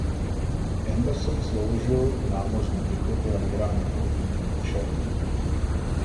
Anderson sloužil u námořní pěchoty a vyhrál několik titulů v šermu.